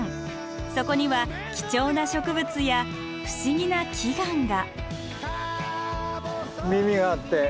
そこには貴重な植物や不思議な奇岩が。